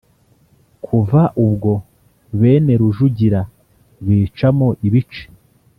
kuva ubwo, bene rujugira bicamo ibice;